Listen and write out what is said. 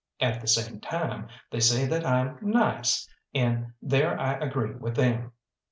At the same time, they say that I'm nice, and there I agree with them.